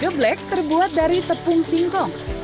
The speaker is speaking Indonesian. geblek terbuat dari tepung singkong